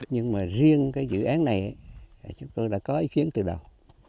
nhưng mà riêng cái dự án này chúng tôi đã có ý kiến từ đầu